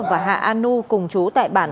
và hạ a nu cùng chú tại bản